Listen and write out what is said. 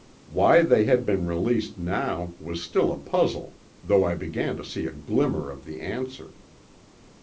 Why they had been released now was still a puzzle, though I began to see a glimmer of the answer.